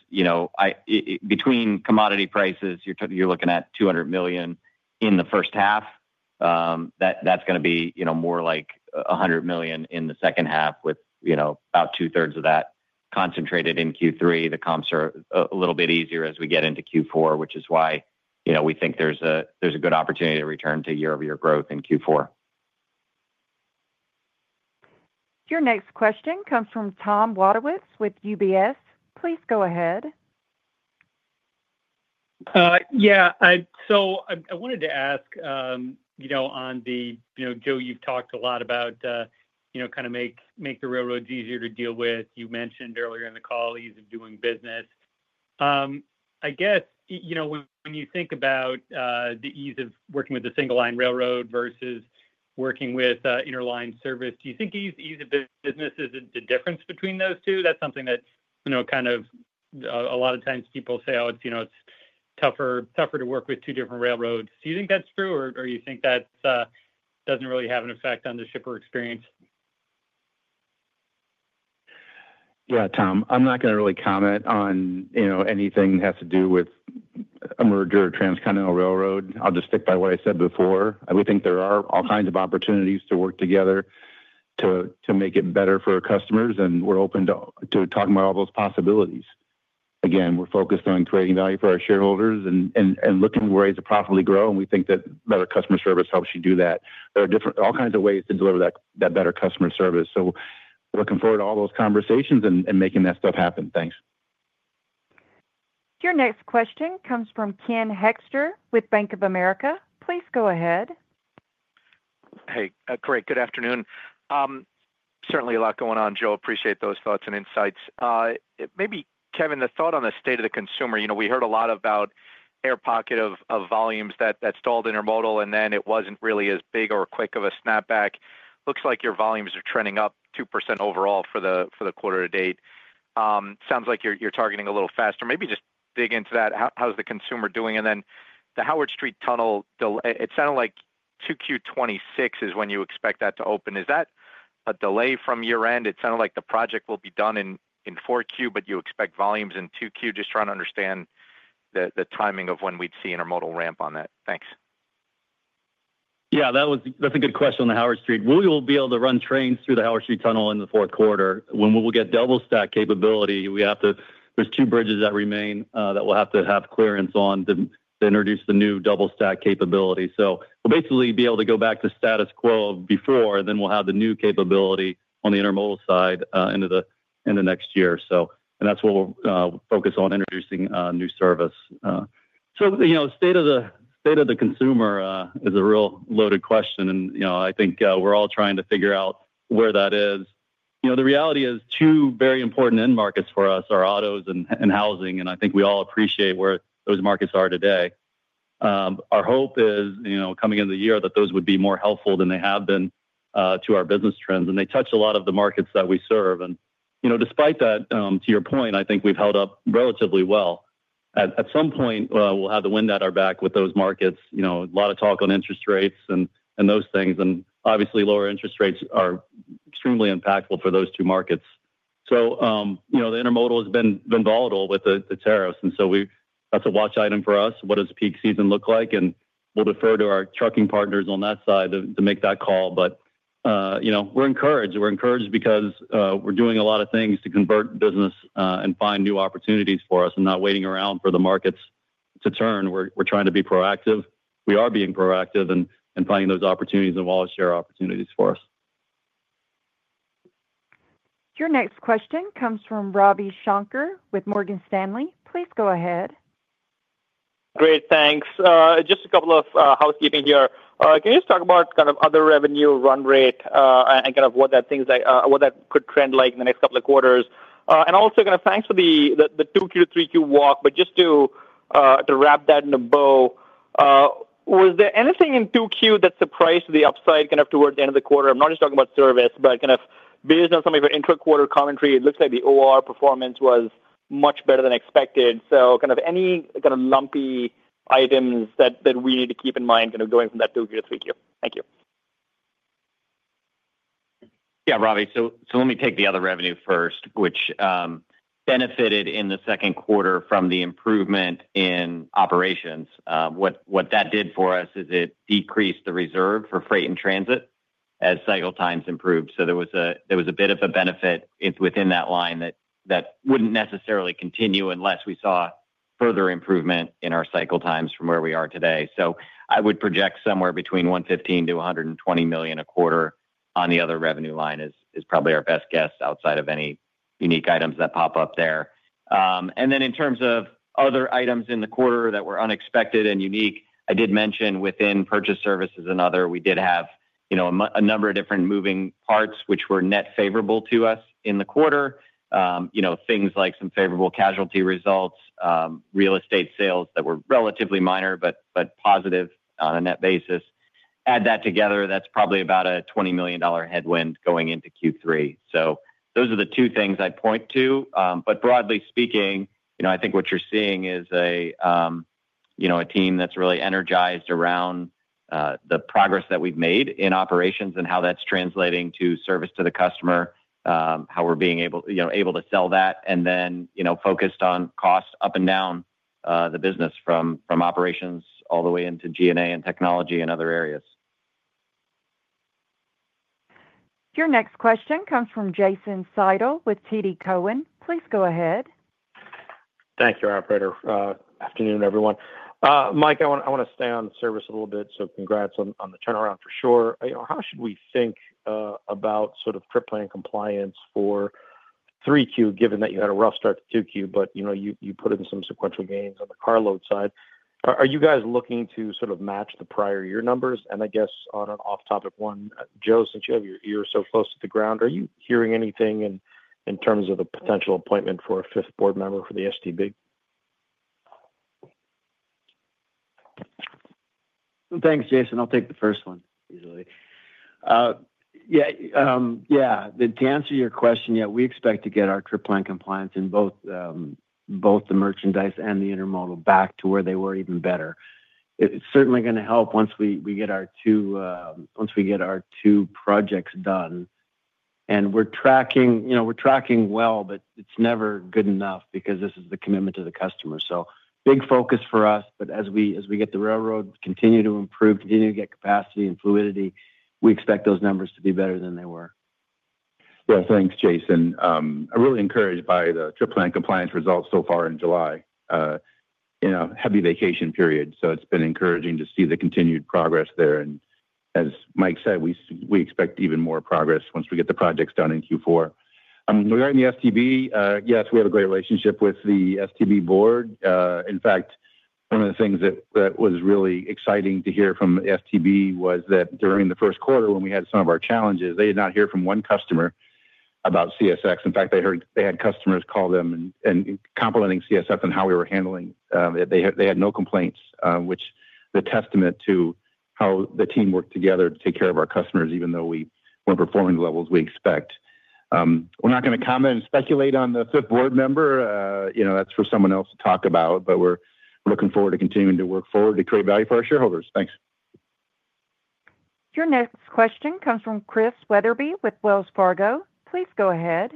between commodity prices, you're looking at $200 million in the first half. That's going to be more like $100 million in the second half with about two-thirds of that concentrated in Q3. The comps are a little bit easier as we get into Q4, which is why we think there's a good opportunity to return to year-over-year growth in Q4. Your next question comes from Tom Waterwitz with UBS. Please go ahead. Yeah. I wanted to ask. Joe, you've talked a lot about kind of making the railroads easier to deal with. You mentioned earlier in the call ease of doing business. I guess when you think about the ease of working with the single line railroad versus working with interline service, do you think ease of business is the difference between those two? That's something that kind of a lot of times people say, "Oh, it's tougher to work with two different railroads." Do you think that's true, or do you think that doesn't really have an effect on the shipper experience? Yeah, Tom, I'm not going to really comment on anything that has to do with a merger or transcontinental railroad. I'll just stick by what I said before. We think there are all kinds of opportunities to work together to make it better for our customers, and we're open to talking about all those possibilities. Again, we're focused on creating value for our shareholders and looking for ways to profitably grow, and we think that better customer service helps you do that. There are all kinds of ways to deliver that better customer service. Looking forward to all those conversations and making that stuff happen. Thanks. Your next question comes from Ken Hekster with Bank of America. Please go ahead. Hey, Cory, good afternoon. Certainly a lot going on, Joe. Appreciate those thoughts and insights. Maybe, Kevin, the thought on the state of the consumer. We heard a lot about an air pocket of volumes that stalled intermodal, and then it was not really as big or quick of a snapback. Looks like your volumes are trending up 2% overall for the quarter to date. Sounds like you are targeting a little faster. Maybe just dig into that. How is the consumer doing? And then the Howard Street Tunnel, it sounded like 2Q 2026 is when you expect that to open. Is that a delay from year-end? It sounded like the project will be done in 4Q, but you expect volumes in 2Q. Just trying to understand the timing of when we would see intermodal ramp on that. Thanks. Yeah, that's a good question on the Howard Street. We will be able to run trains through the Howard Street Tunnel in the fourth quarter. When we will get double-stack capability, there are two bridges that remain that we'll have to have clearance on to introduce the new double-stack capability. We'll basically be able to go back to status quo before, and then we'll have the new capability on the intermodal side into the next year. That's what we'll focus on, introducing new service. The state of the consumer is a real loaded question, and I think we're all trying to figure out where that is. The reality is two very important end markets for us are autos and housing, and I think we all appreciate where those markets are today. Our hope is coming into the year that those would be more helpful than they have been to our business trends. They touch a lot of the markets that we serve. Despite that, to your point, I think we've held up relatively well. At some point, we'll have the wind at our back with those markets. A lot of talk on interest rates and those things. Obviously, lower interest rates are extremely impactful for those two markets. The intermodal has been volatile with the tariffs, and that's a watch item for us. What does peak season look like? We'll defer to our trucking partners on that side to make that call. We're encouraged. We're encouraged because we're doing a lot of things to convert business and find new opportunities for us and not waiting around for the markets to turn. We're trying to be proactive. We are being proactive and finding those opportunities and wallet share opportunities for us. Your next question comes from Robbie Shanker with Morgan Stanley. Please go ahead. Great. Thanks. Just a couple of housekeeping here. Can you just talk about kind of other revenue run rate and kind of what that things, what that could trend like in the next couple of quarters? And also kind of thanks for the 2Q to 3Q walk, but just to wrap that in a bow. Was there anything in 2Q that surprised to the upside kind of toward the end of the quarter? I'm not just talking about service, but kind of based on some of your intra-quarter commentary, it looks like the OR performance was much better than expected. So kind of any kind of lumpy items that we need to keep in mind kind of going from that 2Q to 3Q? Thank you. Yeah, Robbie. Let me take the other revenue first, which benefited in the second quarter from the improvement in operations. What that did for us is it decreased the reserve for freight and transit as cycle times improved. There was a bit of a benefit within that line that would not necessarily continue unless we saw further improvement in our cycle times from where we are today. I would project somewhere between $115 million-$120 million a quarter on the other revenue line is probably our best guess outside of any unique items that pop up there. In terms of other items in the quarter that were unexpected and unique, I did mention within purchase services and other, we did have a number of different moving parts which were net favorable to us in the quarter. Things like some favorable casualty results, real estate sales that were relatively minor but positive on a net basis. Add that together, that is probably about a $20 million headwind going into Q3. Those are the two things I would point to. Broadly speaking, I think what you are seeing is a team that is really energized around the progress that we have made in operations and how that is translating to service to the customer, how we are being able to sell that, and then focused on cost up and down the business from operations all the way into G&A and technology and other areas. Your next question comes from Jason Seidl with TD Cowen. Please go ahead. Thank you, our operator. Afternoon, everyone. Mike, I want to stay on service a little bit, so congrats on the turnaround for sure. How should we think about sort of trip plan compliance for 3Q, given that you had a rough start to 2Q, but you put in some sequential gains on the car load side? Are you guys looking to sort of match the prior year numbers? I guess on an off-topic one, Joe, since you have your ear so close to the ground, are you hearing anything in terms of a potential appointment for a fifth board member for the STB? Thanks, Jason. I'll take the first one. Yeah. To answer your question, yeah, we expect to get our trip plan compliance in both the merchandise and the intermodal back to where they were, even better. It's certainly going to help once we get our two projects done. We're tracking well, but it's never good enough because this is the commitment to the customer. Big focus for us, but as we get the railroad continue to improve, continue to get capacity and fluidity, we expect those numbers to be better than they were. Yeah, thanks, Jason. I'm really encouraged by the trip plan compliance results so far in July. Heavy vacation period. It's been encouraging to see the continued progress there. As Mike said, we expect even more progress once we get the projects done in Q4. Regarding the STB, yes, we have a great relationship with the STB board. In fact, one of the things that was really exciting to hear from the STB was that during the first quarter when we had some of our challenges, they did not hear from one customer about CSX. In fact, they had customers call them and complimenting CSX on how we were handling. They had no complaints, which is a testament to how the team worked together to take care of our customers, even though we weren't performing the levels we expect. We're not going to comment and speculate on the fifth board member. That's for someone else to talk about, but we're looking forward to continuing to work forward to create value for our shareholders. Thanks. Your next question comes from Chris Weatherby with Wells Fargo. Please go ahead.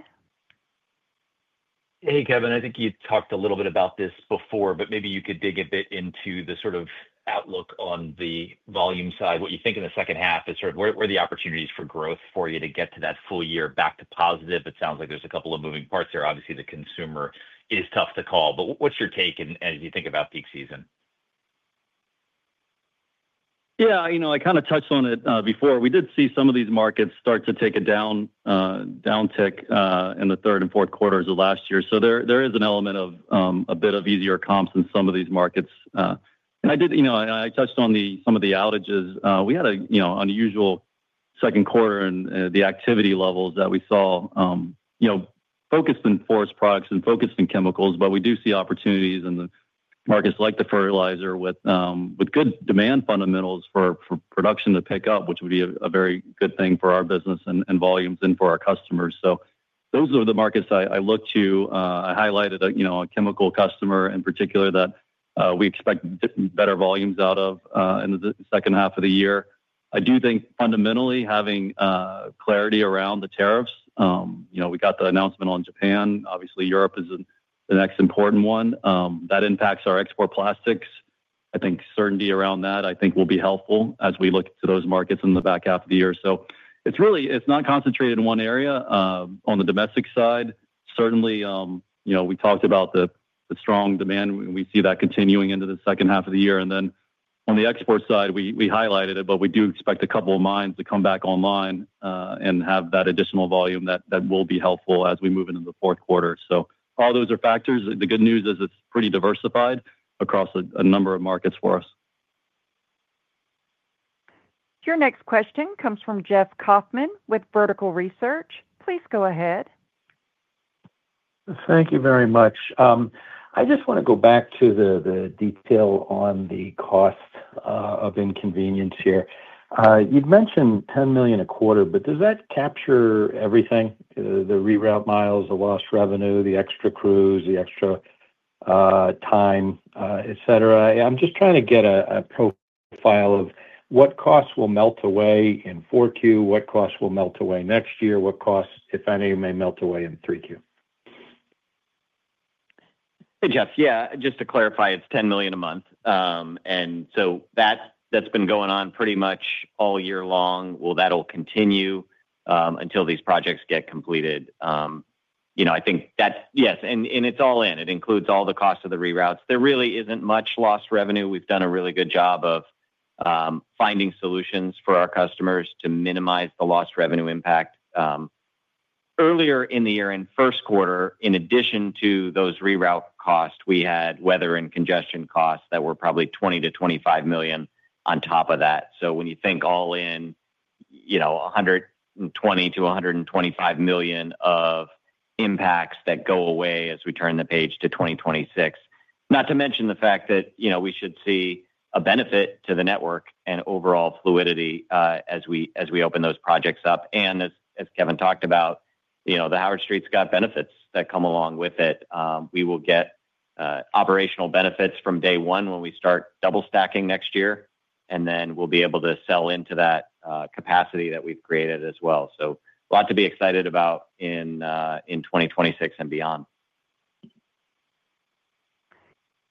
Hey, Kevin. I think you talked a little bit about this before, but maybe you could dig a bit into the sort of outlook on the volume side, what you think in the second half is sort of where the opportunities for growth for you to get to that full year back to positive. It sounds like there's a couple of moving parts there. Obviously, the consumer is tough to call. What’s your take as you think about peak season? Yeah, I kind of touched on it before. We did see some of these markets start to take a downtick in the third and fourth quarters of last year. There is an element of a bit of easier comps in some of these markets. I did, and I touched on some of the outages. We had an unusual second quarter in the activity levels that we saw, focused in forest products and focused in chemicals, but we do see opportunities in markets like the fertilizer with good demand fundamentals for production to pick up, which would be a very good thing for our business and volumes and for our customers. Those are the markets I look to. I highlighted a chemical customer in particular that we expect better volumes out of in the second half of the year. I do think fundamentally having clarity around the tariffs. We got the announcement on Japan. Obviously, Europe is the next important one. That impacts our export plastics. I think certainty around that, I think, will be helpful as we look to those markets in the back half of the year. It is not concentrated in one area. On the domestic side, certainly we talked about the strong demand. We see that continuing into the second half of the year. On the export side, we highlighted it, but we do expect a couple of mines to come back online and have that additional volume that will be helpful as we move into the fourth quarter. All those are factors. The good news is it is pretty diversified across a number of markets for us. Your next question comes from Jeff Kaufman with Vertical Research. Please go ahead. Thank you very much. I just want to go back to the detail on the cost of inconvenience here. You've mentioned $10 million a quarter, but does that capture everything? The reroute miles, the lost revenue, the extra crews, the extra time, etc. I'm just trying to get a profile of what costs will melt away in Q4, what costs will melt away next year, what costs, if any, may melt away in Q3. Hey, Jeff. Yeah, just to clarify, it's $10 million a month. And so that's been going on pretty much all year long. That'll continue until these projects get completed. I think that's yes. And it's all in. It includes all the costs of the reroutes. There really isn't much lost revenue. We've done a really good job of finding solutions for our customers to minimize the lost revenue impact. Earlier in the year and first quarter, in addition to those reroute costs, we had weather and congestion costs that were probably $20 million-$25 million on top of that. So when you think all in, $120 million-$125 million of impacts that go away as we turn the page to 2026. Not to mention the fact that we should see a benefit to the network and overall fluidity as we open those projects up. As Kevin talked about, the Howard Street's got benefits that come along with it. We will get operational benefits from day one when we start double stacking next year. Then we'll be able to sell into that capacity that we've created as well. A lot to be excited about in 2026 and beyond.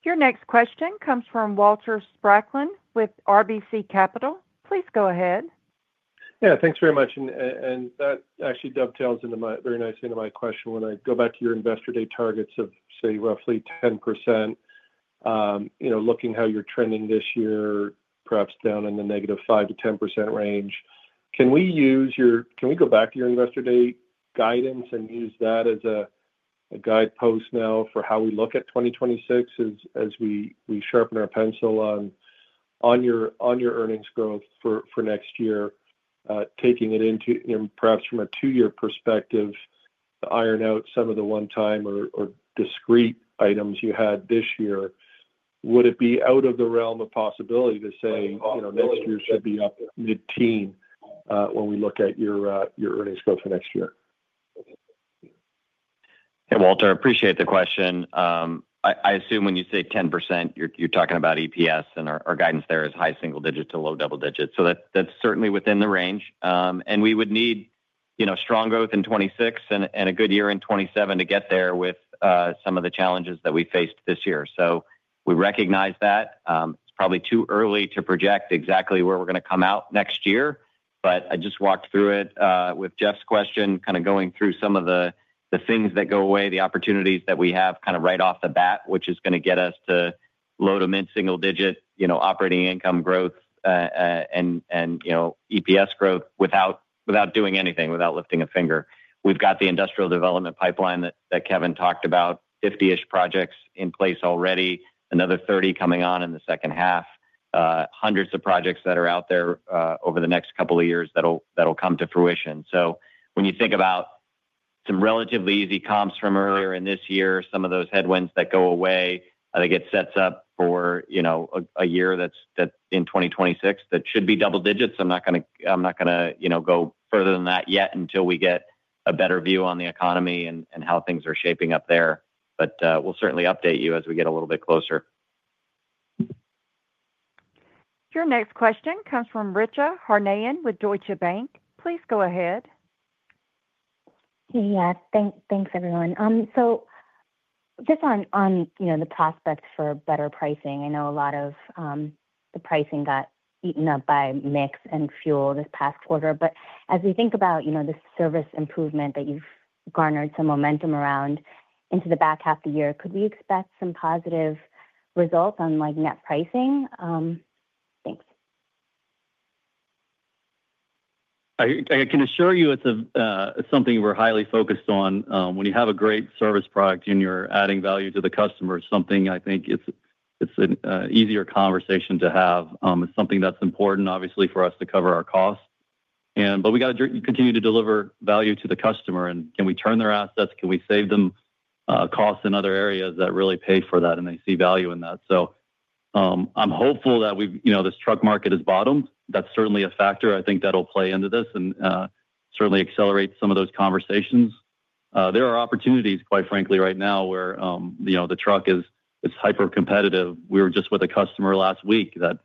Your next question comes from Walter Spracklin with RBC Capital. Please go ahead. Yeah, thanks very much. That actually dovetails very nicely into my question. When I go back to your investor day targets of, say, roughly 10%. Looking how you're trending this year, perhaps down in the negative 5-10% range. Can we use your, can we go back to your investor day guidance and use that as a guidepost now for how we look at 2026 as we sharpen our pencil on your earnings growth for next year, taking it into, perhaps from a two-year perspective, to iron out some of the one-time or discrete items you had this year? Would it be out of the realm of possibility to say next year should be up mid-teen when we look at your earnings growth for next year? Hey, Walter, I appreciate the question. I assume when you say 10%, you're talking about EPS, and our guidance there is high single digit to low double digit. That's certainly within the range. We would need strong growth in 2026 and a good year in 2027 to get there with some of the challenges that we faced this year. We recognize that. It's probably too early to project exactly where we're going to come out next year. I just walked through it with Jeff's question, kind of going through some of the things that go away, the opportunities that we have kind of right off the bat, which is going to get us to low to mid-single digit operating income growth and EPS growth without doing anything, without lifting a finger. We've got the industrial development pipeline that Kevin talked about, 50-ish projects in place already, another 30 coming on in the second half. Hundreds of projects that are out there over the next couple of years that'll come to fruition. When you think about some relatively easy comps from earlier in this year, some of those headwinds that go away, I think it sets up for a year that's in 2026 that should be double digits. I'm not going to go further than that yet until we get a better view on the economy and how things are shaping up there. We'll certainly update you as we get a little bit closer. Your next question comes from Richa Harnayan with Deutsche Bank. Please go ahead. Hey, thanks, everyone. Just on the prospects for better pricing. I know a lot of the pricing got eaten up by mix and fuel this past quarter. As we think about the service improvement that you've garnered some momentum around into the back half of the year, could we expect some positive results on net pricing? Thanks. I can assure you it's something we're highly focused on. When you have a great service product and you're adding value to the customer, it's something I think it's an easier conversation to have. It's something that's important, obviously, for us to cover our costs. We got to continue to deliver value to the customer. Can we turn their assets? Can we save them costs in other areas that really pay for that and they see value in that? I'm hopeful that this truck market has bottomed. That's certainly a factor. I think that'll play into this and certainly accelerate some of those conversations. There are opportunities, quite frankly, right now where the truck is hyper-competitive. We were just with a customer last week that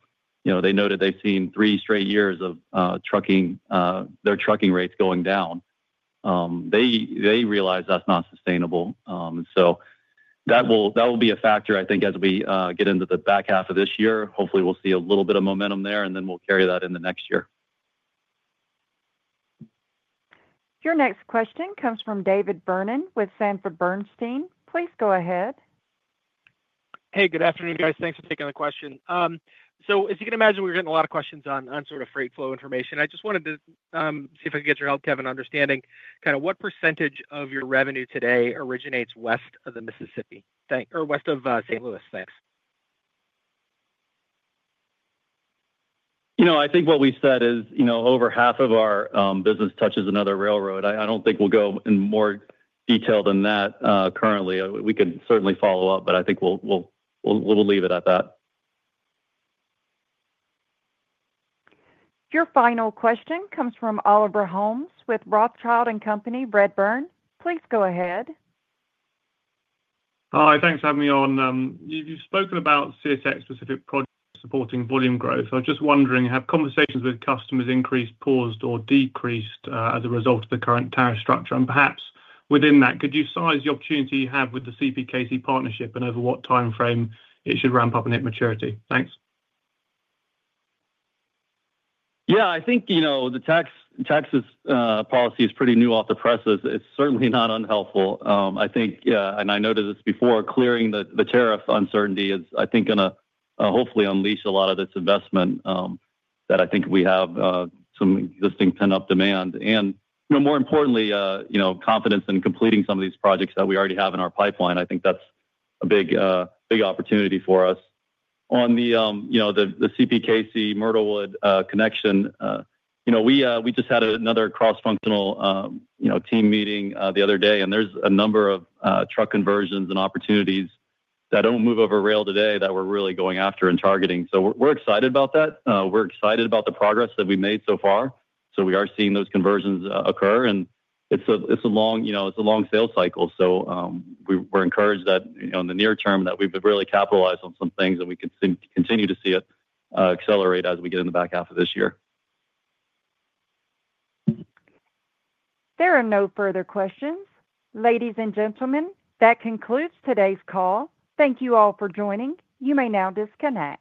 noted they've seen three straight years of their trucking rates going down. They realize that's not sustainable. That will be a factor, I think, as we get into the back half of this year. Hopefully, we'll see a little bit of momentum there, and then we'll carry that into next year. Your next question comes from David Burnham with Sanford Bernstein. Please go ahead. Hey, good afternoon, guys. Thanks for taking the question. As you can imagine, we're getting a lot of questions on sort of freight flow information. I just wanted to see if I could get your help, Kevin, understanding kind of what percentage of your revenue today originates west of the Mississippi or west of St. Louis. Thanks. I think what we said is over half of our business touches another railroad. I don't think we'll go in more detail than that currently. We can certainly follow up, but I think we'll leave it at that. Your final question comes from Oliver Holmes with Rothschild and Company, Redburn. Please go ahead. Hi, thanks for having me on. You've spoken about CSX-specific projects supporting volume growth. I was just wondering, have conversations with customers increased, paused, or decreased as a result of the current tariff structure? Perhaps within that, could you size the opportunity you have with the CPKC partnership and over what timeframe it should ramp up and hit maturity? Thanks. Yeah, I think the tax policy is pretty new off the presses. It's certainly not unhelpful. I think, and I noted this before, clearing the tariff uncertainty is, I think, going to hopefully unleash a lot of this investment. I think we have some existing pent-up demand. More importantly, confidence in completing some of these projects that we already have in our pipeline. I think that's a big opportunity for us. On the CPKC Myrtlewood connection, we just had another cross-functional team meeting the other day, and there's a number of truck conversions and opportunities that don't move over rail today that we're really going after and targeting. We're excited about that. We're excited about the progress that we've made so far. We are seeing those conversions occur. It's a long sales cycle. We're encouraged that in the near term we've really capitalized on some things and we can continue to see it accelerate as we get in the back half of this year. There are no further questions. Ladies and gentlemen, that concludes today's call. Thank you all for joining. You may now disconnect.